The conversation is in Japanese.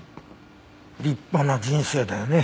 立派な人生だよね。